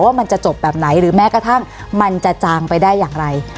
มันจะจบแบบไหนหรือแม้กระทั่งมันจะจางไปได้อย่างไร